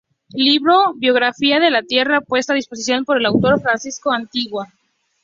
Libro "biografía de la Tierra" puesto a disposición por el autor, Francisco Anguita